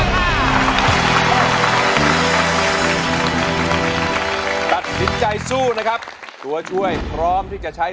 ตัดสินใจสู้นะครับตัวช่วยพร้อมที่จะใช้